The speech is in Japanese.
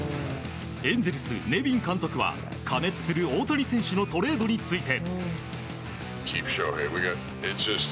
エンゼルス、ネビン監督は過熱する大谷選手のトレードについて。